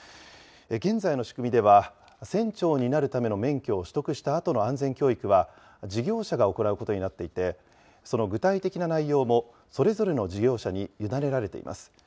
現在の仕組みでは、船長になるための免許を取得したあとの安全教育は、事業者が行うことになっていて、その具体的な内容もそれぞれの事業者に委ねられています。